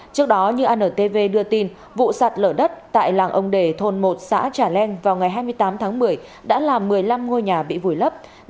trước đó như antv đưa tin vụ sạt lở đất tại làng ông đề thôn một xã trà leng vào ngày hai mươi tám tháng một mươi đã làm một mươi năm ngôi nhà bị vùi lấp